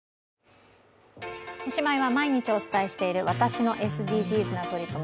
おしまいは毎日お伝えしている私のＳＤＧｓな取り組み。